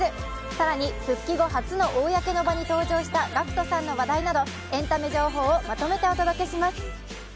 更に復帰後初の公の場となったＧＡＣＫＴさんの話題などエンタメ情報をまとめてお届けします。